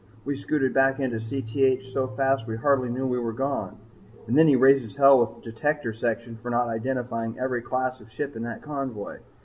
We scooted back into Cth so fast we hardly knew we were gone. And then he raises hell with Detector section for not identifying every class of ship in that convoy!